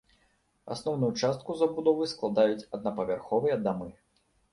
Асноўную частку забудовы складаюць аднапавярховыя дамы.